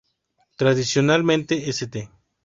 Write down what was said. Tradicionalmente St.